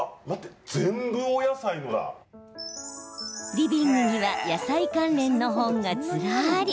リビングには野菜関連の本がずらり。